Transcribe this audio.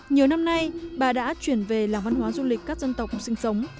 nhiều năm nay bà đã chuyển về làng văn hóa du lịch các dân tộc sinh sống